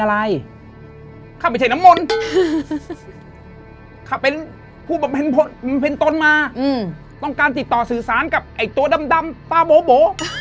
แล้วเค้าเป็นผู้บำเพ็ญตนมาต้องการติดต่อสื่อสารกับไอ้ตัวดำป้าโบ